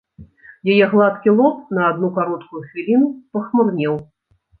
Яе гладкі лоб на адну кароткую хвіліну спахмурнеў.